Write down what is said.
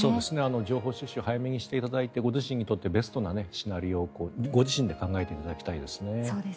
情報収集を早めにしていただいてご自身にとってベストなシナリオをご自身で考えていただきたいですね。